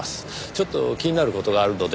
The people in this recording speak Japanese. ちょっと気になる事があるので。